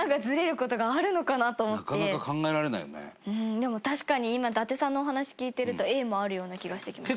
でも確かに今、伊達さんのお話聞いてるとＡもあるような気がしてきました。